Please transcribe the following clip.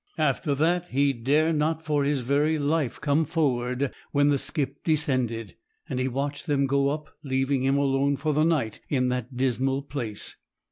After that he dare not for his very life come forward when the skip descended, and he watched them go up, leaving him alone for the night in that dismal place.